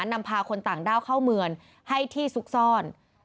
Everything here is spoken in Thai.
นำพาคนต่างด้าวเข้าเมืองให้ที่ซุกซ่อน